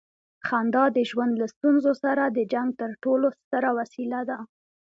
خندا د ژوند له ستونزو سره د جنګ تر ټولو ستره وسیله ده.